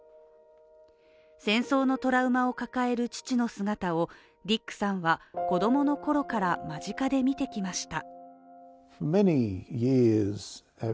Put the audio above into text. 戦争のトラウマを抱える父の姿をディックさんは子供の頃から間近で見てきました。